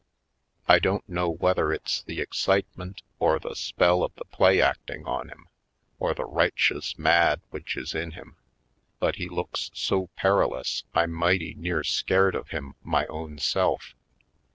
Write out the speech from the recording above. I don't know whether it's the excitement, or the spell of the play acting on him, or the righteous mad which is in him, but he looks so perilous I'm mighty near scared of him my own self.